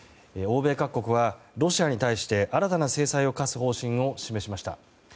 欧米各国はロシアに対して新たな制裁を課す方針を示しました。